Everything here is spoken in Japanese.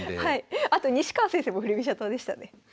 あと西川先生も振り飛車党でしたね。